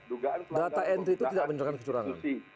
data entry itu tidak menyebabkan kecurangan